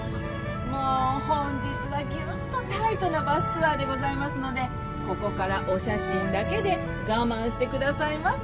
もう本日はぎゅっとタイトなバスツアーでございますのでここからお写真だけで我慢してくださいませ。